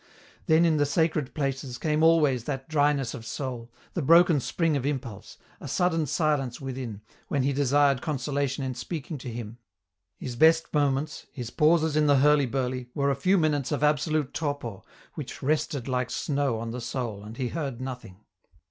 Then in the sacred places came always that dryness of soul, the broken spring of impulse, a sudden silence within, when he desired consolation in speaking to Him His best moments, liis pauses in the hurly burly, were a EN ROUTE. 125 few minutes of absolute torpor, which rested like snow on the soul and he heard nothing.